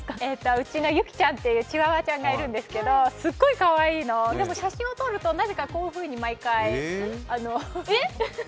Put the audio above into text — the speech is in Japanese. うちのユキちゃんっていうチワワちゃんがいるんですけどすっごいかわいいの、でも写真を撮ると毎回こういうふうに。